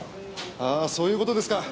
ああそういう事ですか。